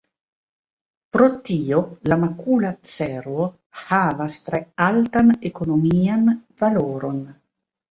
Pro tio, la makula cervo havas tre altan ekonomian valoron.